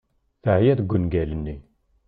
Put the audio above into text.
Teɛya deg ungal-nni.